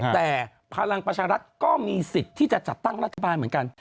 แต่พลังประชารัฐก็มีสิทธิ์ที่จะจัดตั้งรัฐบาลเหมือนกัน